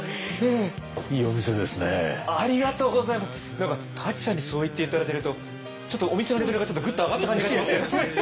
何か舘さんにそう言って頂けるとちょっとお店のレベルがちょっとグッと上がった感じがします。